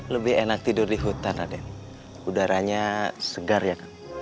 lebih enak tidur di hutan raden udaranya segar ya